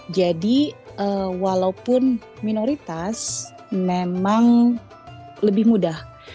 jadi walaupun minoritas memang lebih mudah